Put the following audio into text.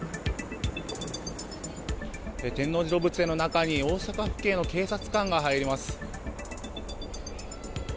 天王寺動物園の中に大阪府警の警察官が入ります。